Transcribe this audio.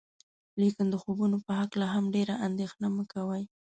لیکن د خوبونو په هکله هم ډیره اندیښنه مه کوئ.